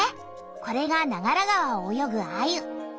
これが長良川をおよぐアユ！